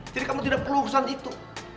jadi kamu tidak perlu urusan itu